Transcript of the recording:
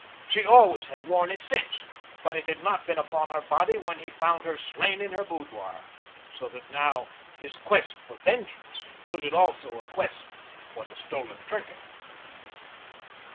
She always had worn it since, but it had not been upon her body when he found her slain in her boudoir, so that now his quest for vengeance included also a quest for the stolen trinket.